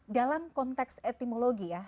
dalam konteks etimologi ya